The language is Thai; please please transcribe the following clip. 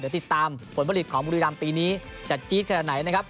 เดี๋ยวติดตามผลผลิตของบุรีรำปีนี้จะจี๊ดขนาดไหนนะครับ